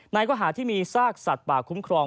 ข้อหาที่มีซากสัตว์ป่าคุ้มครอง